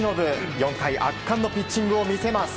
４回圧巻のピッチングを見せます。